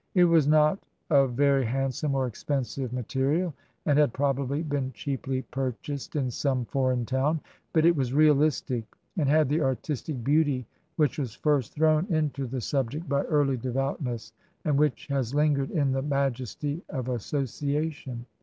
It was not of very handsome or expensive ma terial and had probably been cheaply purchased in some foreign town. But it was realistic and had the artistic beauty which was first thrown into the subject by early devoutness, and which has lingered in the majesty of asso ciation.